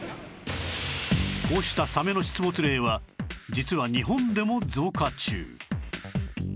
こうしたサメの出没例は実は日本でも増加中